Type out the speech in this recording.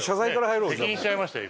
敵にしちゃいましたよ